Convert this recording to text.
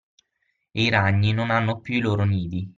E i ragni non hanno più i loro nidi.